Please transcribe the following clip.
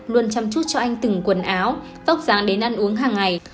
luôn chăm chút cho anh từng quần áo tóc dáng đến ăn uống hàng ngày